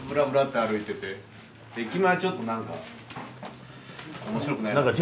駅前ちょっと何か面白くないなと思って。